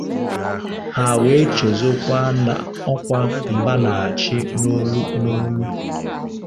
Ha wee chezọọkwa na ọkwa mba na-achị n'olu n'olu.